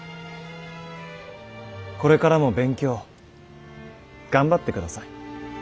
これからも勉強頑張ってください。